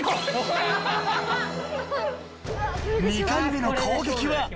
８！２回目の攻撃は？